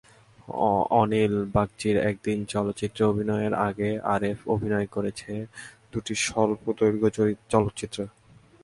অনিল বাগচীর একদিন চলচ্চিত্রে অভিনয়ের আগে আরেফ অভিনয় করেছেন দুটি স্বল্পদৈর্ঘ্য চলচ্চিত্রে।